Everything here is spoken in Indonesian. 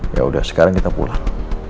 ya udah sekarang kita pulang